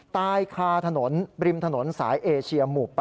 ตายคาถนนริมถนนสายเอเชียหมู่๘